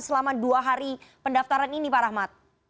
selama dua hari pendaftaran ini pak rahmat